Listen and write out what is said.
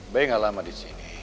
bay gak lama disini